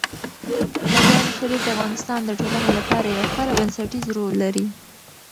مزارشریف د افغانستان د ټولنې لپاره یو خورا بنسټيز رول لري.